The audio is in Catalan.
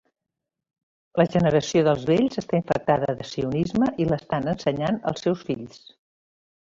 La generació dels vells està infectada de sionisme i l'estan ensenyant als seus fills.